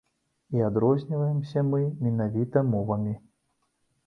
І адрозніваемся мы менавіта мовамі.